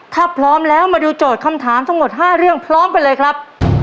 ถ้าพร้อมแล้วมาดูโจทย์คำถามทั้งหมด๕เรื่องพร้อมกันเลยครับ